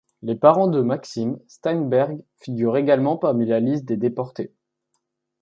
Les parents de Maxime Steinberg figurent également parmi la liste des déportés.